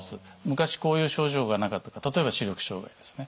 昔こういう症状がなかったか例えば視力障害ですね。